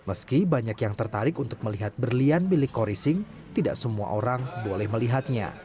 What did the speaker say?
meski banyak yang tertarik untuk melihat berlian milik khori singh tidak semua orang boleh melihatnya